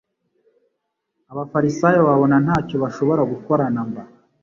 Abafarisayo babona ntacyo bashobora gukora na mba.